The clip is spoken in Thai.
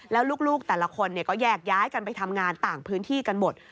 แล้วลูกแต่ละคนก็แยกย้ายกันไปทำงานต่างพื้นที่กันหมด